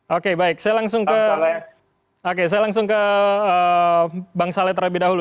oke baik saya langsung ke bang saleh terlebih dahulu